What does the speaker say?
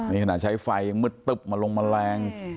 นี่ขนาดใช้ไฟยังมืดตึ๊บมาลงแมลง